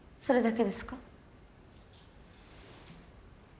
それだけです。